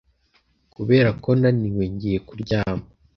kuberako naniwe ngiye kuryama